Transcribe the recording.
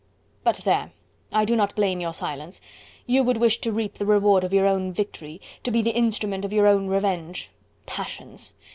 But there! I do not blame your silence. You would wish to reap the reward of your own victory, to be the instrument of your own revenge. Passions!